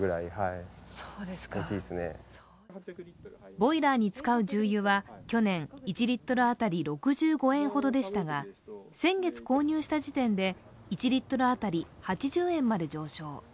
ボイラーに使う重油は去年、１リットル当たり６５円ほどでしたが、先月購入した時点で１リットル当たり８０円まで上昇。